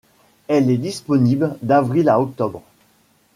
Elle est disponible d'avril à octobre.